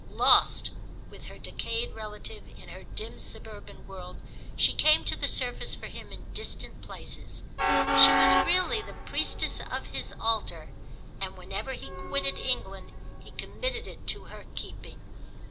Lost, with her decayed relative, in her dim suburban world, she came to the surface for him in distant places. She was really the priestess of his altar, and whenever he quitted England he committed it to her keeping.